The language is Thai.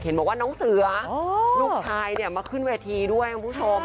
บอกว่าน้องเสือลูกชายเนี่ยมาขึ้นเวทีด้วยคุณผู้ชม